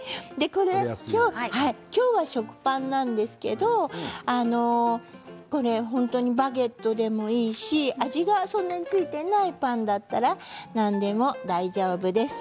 今日は食パンなんですけど本当に、バゲットでもいいし味がそんなに付いていないパンだったら何でも大丈夫です。